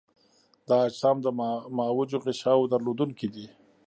دا اجسام د معوجو غشاوو درلودونکي دي.